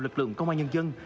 lực lượng công an nhân dân